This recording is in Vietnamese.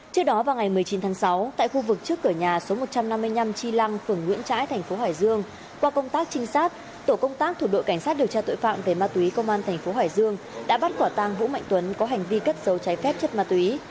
trước đó vào ngày một mươi chín tháng sáu tại khu vực trước cửa nhà số một trăm năm mươi năm chi lăng phường nguyễn trãi thành phố hải dương qua công tác trinh sát tổ công tác thuộc đội cảnh sát điều tra tội phạm về ma túy công an tp hải dương đã bắt quả tăng vũ mạnh tuấn có hành vi cất dấu trái phép chất ma túy